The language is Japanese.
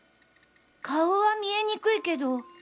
顔は見えにくいけど。